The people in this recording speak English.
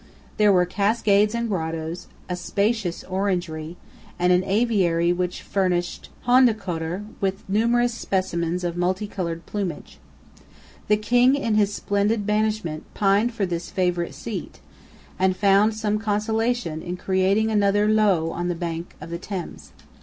There were cascades and grottoes, a spacious orangery, and an aviary which furnished Hondekoeter with numerous specimens of manycoloured plumage. The King, in his splendid banishment, pined for this favourite seat, and found some consolation in creating another Loo on the banks of the Thames.